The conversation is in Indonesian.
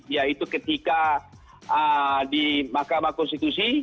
yaitu ketika di mahkamah konstitusi